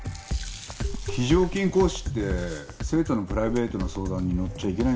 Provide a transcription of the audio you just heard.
非常勤講師って生徒のプライベートな相談にのっちゃいけないんですか？